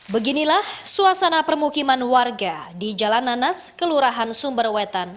beginilah suasana permukiman warga di jalan nanas kelurahan sumberwetan